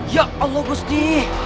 ya allah gusti